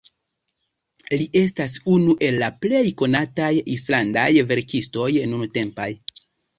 Li estas unu el la plej konataj islandaj verkistoj nuntempaj.